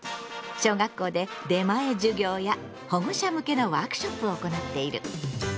小学校で出前授業や保護者向けのワークショップを行っている。